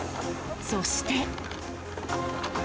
そして。